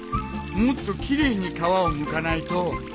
もっと奇麗に皮をむかないと。